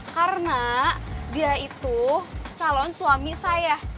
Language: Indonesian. karena dia itu calon suami saya